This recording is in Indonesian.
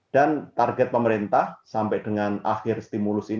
dan target pemerintah sampai dengan akhir stimulus ini